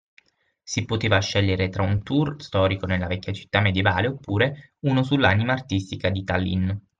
Si poteva scegliere tra un tour storico nella vecchia città medievale, oppure, uno sull’anima artistica di Tallinn.